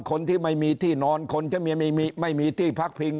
คนที่ไม่มีที่นอนคนจะไม่มีไม่มีที่พักพิง